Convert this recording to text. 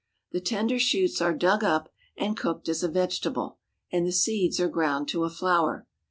The tender shoots are dug up and cooked as a vegetable, and the seeds are ground to a flour.